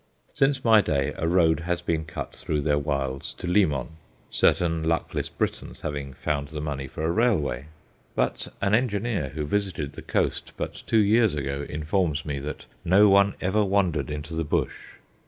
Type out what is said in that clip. Since my day a road has been cut through their wilds to Limon, certain luckless Britons having found the money for a railway; but an engineer who visited the coast but two years ago informs me that no one ever wandered into "the bush."